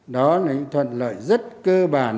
đó là những thuận lợi rất cơ bản